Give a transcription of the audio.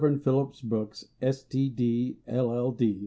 Phillips Brooks, S. T. D., LL.D.